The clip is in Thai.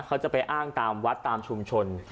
เขาจะไปอ้างตามวัดตามชุมชน